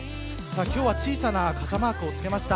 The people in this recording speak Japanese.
今日は小さな傘マークをつけました。